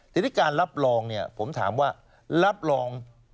ทีนี้การรับรองเนี่ยผมถามว่ารับรอง